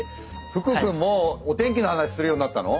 福くんもうお天気の話するようになったの？